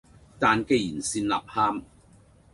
但旣然是吶喊，